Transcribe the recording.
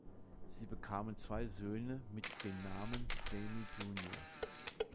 Sie bekamen zwei Söhne mit den Namen Jaime Jr.